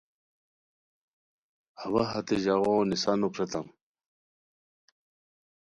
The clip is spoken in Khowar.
اوا ہتے ژاغو نسانو پھریتام